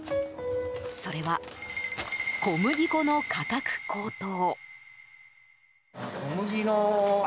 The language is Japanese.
それは、小麦粉の価格高騰。